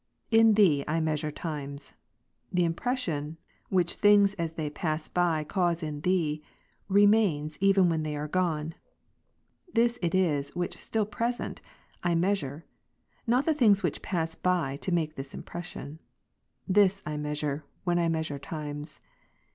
In thee I measure times; the impression, which ; things as they pass by cause in thee, remains even when they <are gone ; this it is which still present, I measure, not the tj^ings which pass by to make this impression. This I mea sure, when I measure times.